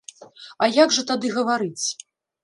А як жа тады гаварыць?